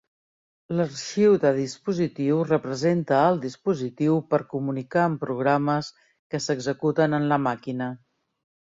L'arxiu de dispositiu representa al dispositiu per comunicar amb programes que s'executen en la màquina.